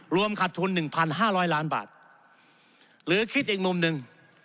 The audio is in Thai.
รวมขัดทุนหนึ่งพันห้าร้อยล้านบาทหรือคิดอีกมุมหนึ่ง